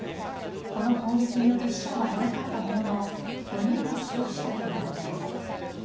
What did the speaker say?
この攻撃による死者はいなかったものの５人が負傷したということです。